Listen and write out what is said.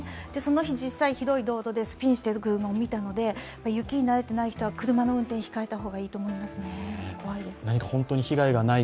その日、実際ひどい道路でスピンしてる車も見たので雪に慣れていない人は車の運転を控えた方がいいと思いますね。